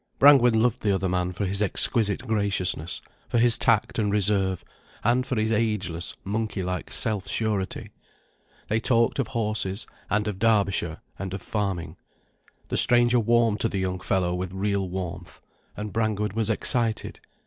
Brangwen loved the other man for his exquisite graciousness, for his tact and reserve, and for his ageless, monkey like self surety. They talked of horses, and of Derbyshire, and of farming. The stranger warmed to the young fellow with real warmth, and Brangwen was excited.